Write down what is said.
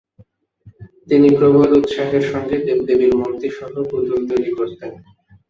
তিনি প্রবল উৎসাহের সঙ্গে দেব-দেবীর মূর্তি সহ পুতুল তৈরি করতেন।